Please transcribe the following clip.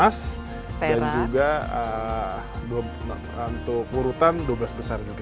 target kita di dua belas medali emas dan juga untuk urutan dua belas besar juga